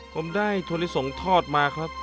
ผมได้ถั่วลิสงทอดมาครับ